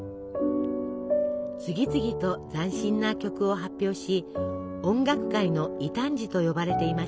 次々と斬新な曲を発表し「音楽界の異端児」と呼ばれていました。